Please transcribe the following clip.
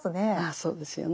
そうですよね。